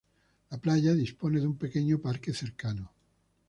La playa dispone de un pequeño parque cercano.